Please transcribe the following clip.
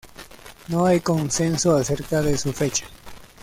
No hay consenso acerca de su fecha.